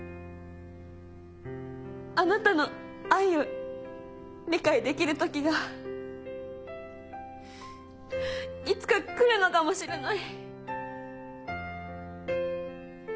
あなたの「愛」を理解できるときがいつか来るのかもしれない。